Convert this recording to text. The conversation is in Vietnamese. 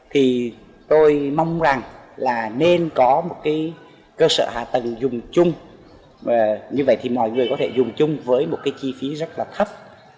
thì tôi mong rằng là nên có một cái cơ sở hạ tầng dùng chung như vậy thì mọi người có thể dùng chung với một cái chi phí rất là thấp